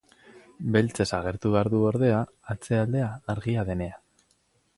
Beltzez agertu behar du, ordea, atzealdea argia denean.